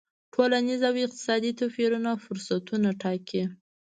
ټولنیز او اقتصادي توپیرونه فرصتونه ټاکي.